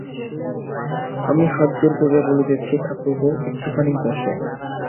আমি হাতজোড় করিয়া বলিতেছি ঠাকুরপো, একটুখানি বসো।